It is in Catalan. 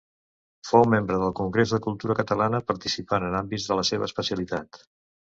Fou membre del Congrés de Cultura Catalana, participant en àmbits de la seva especialitat.